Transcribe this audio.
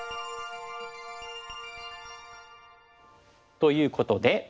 ということで。